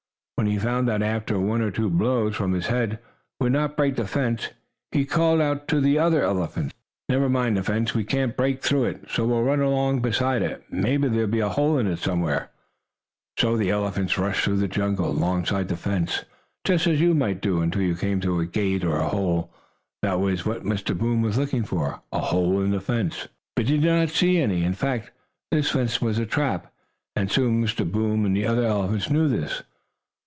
When he found that after one or two blows from his head would not break the fence, he called out to the other elephants: "Never mind the fence! We can't break through it, so we'll run along beside it. Maybe there'll be a hole in it somewhere." So the elephants rushed through the jungle, alongside of the fence, just as you might do, until you came to a gate, or hole. That was what Mr. Boom was looking for a hole in the fence. But he did not see any. In fact, this fence was a trap, and soon Mr. Boom and the other elephants knew this.